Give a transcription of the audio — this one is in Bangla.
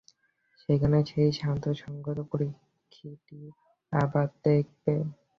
সেখানে সেই শান্ত সংযত পক্ষীটিকে আবার দেখে।